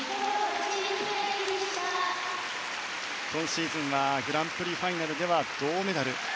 今シーズンはグランプリファイナルでは銅メダル。